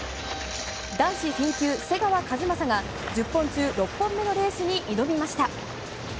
男子フィン級、瀬川和正が１０本中６本のレースに挑みました。